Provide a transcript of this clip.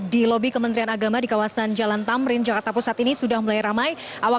di lobi kementerian agama di kawasan jalan tamrin jakarta pusat ini sudah mulai ramai